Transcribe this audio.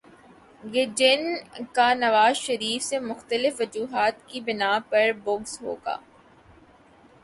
گے جن کا نواز شریف سے مختلف وجوہات کی بناء پہ بغض ہو گا۔